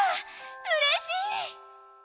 うれしい。